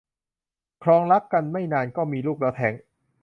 ครองรักกันไม่นานก็มีลูกแล้วแท้ง